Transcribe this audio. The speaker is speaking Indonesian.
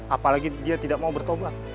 apalagi dia tidak mau bertobat